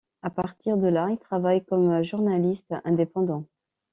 À partir de là, il travaille comme journaliste indépendant.